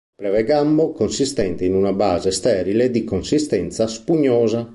Breve gambo consistente in una base sterile di consistenza spugnosa.